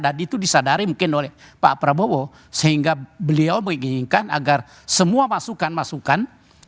dan itu disadari mungkin oleh pak prabowo sehingga beliau menginginkan agar semua masukan masukan